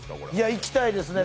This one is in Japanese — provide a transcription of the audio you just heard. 行きたいですね。